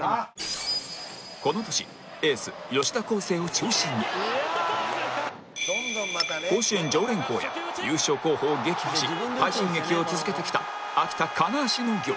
この年エース吉田輝星を中心に甲子園常連校や優勝候補を撃破し快進撃を続けてきた秋田金足農業